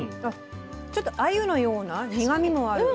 ちょっとあゆのような苦みもある。